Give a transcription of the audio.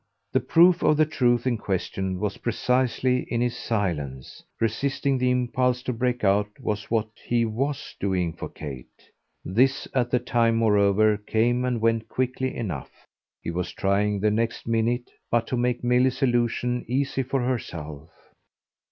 The proof of the truth in question was precisely in his silence; resisting the impulse to break out was what he WAS doing for Kate. This at the time moreover came and went quickly enough; he was trying the next minute but to make Milly's allusion easy for herself.